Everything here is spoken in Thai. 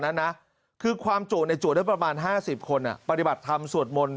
นั้นนะคือความจวดในจวดได้ประมาณ๕๐คนปฏิบัติธรรมสวดมนต์